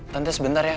tante sebentar ya